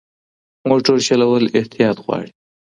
موټر چلول احتیاط غواړي.